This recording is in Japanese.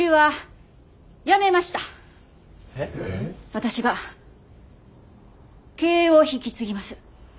私が経営を引き継ぎます。